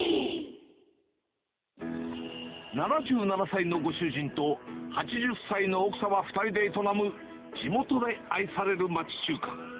７７歳のご主人と、８０歳の奥様２人で営む、地元で愛される町中華。